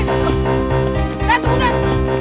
eh tunggu den